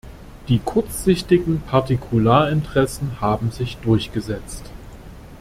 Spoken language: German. Die kurzsichtigen Partikularinteressen haben sich durchgesetzt.